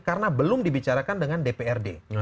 karena belum dibicarakan dengan dprd